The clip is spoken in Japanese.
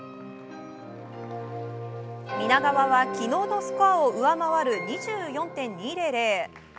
皆川は昨日のスコアを上回る２４．２００。